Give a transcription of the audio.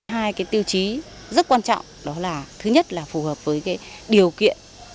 hai cái tiêu chí rất quan trọng đó là thứ nhất là phù hợp với điều kiện